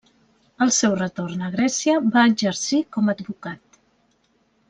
Al seu retorn a Grècia va exercir com advocat.